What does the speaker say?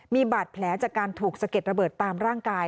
มีบาดแผลจากการถูกสะเก็ดระเบิดตามร่างกาย